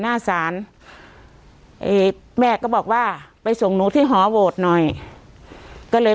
หน้าศาลแม่ก็บอกว่าไปส่งหนูที่หอโหวตหน่อยก็เลย